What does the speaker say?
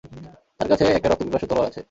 তার কাছে একটা রক্তপিপাসু তলোয়ার আছে।